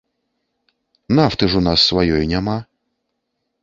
Нафты ж у нас сваёй няма.